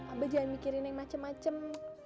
abah jangan mikirin yang macem macem